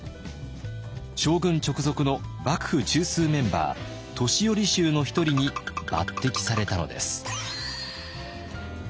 将軍直属の幕府中枢メンバー年寄衆の一人に抜てきされたのです。